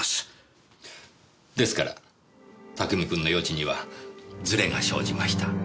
ですから拓海君の予知にはズレが生じました。